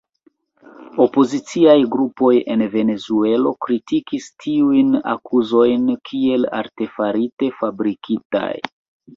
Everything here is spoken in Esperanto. Opoziciaj grupoj en Venezuelo kritikis tiujn akuzojn kiel artefarite fabrikitaj.